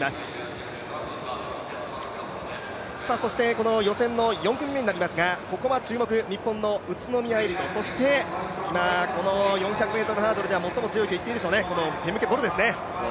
この予選の４組目になりますが、ここは注目、日本の宇都宮絵莉と、今この４００ｍハードルでは最も強いと言っていいでしょうね、フェムケ・ボルですね。